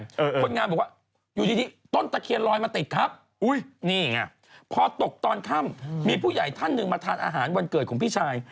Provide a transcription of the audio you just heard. คนงานบอกว่าอยู่ดีต้นตะเคียนลอยมาติดครับอุ้ยนี่ไงพอตกตอนค่ำมีผู้ใหญ่ท่านหนึ่งมาทานอาหารวันเกิดของพี่ชาย